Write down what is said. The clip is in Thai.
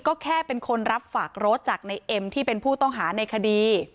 ก็แค่เป็นคนรับฝากรถจากในเอ็มที่เป็นผู้ต้องหาในคดี